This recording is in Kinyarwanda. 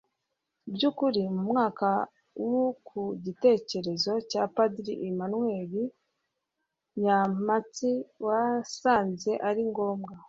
by'ukuri mu mwaka w' ku gitekerezo cya padiri emmanuel nyampatsi wasanze ari ngombwa